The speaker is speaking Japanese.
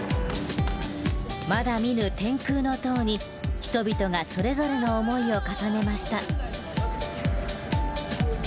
まだ見ぬ天空の塔に人々がそれぞれの思いを重ねました。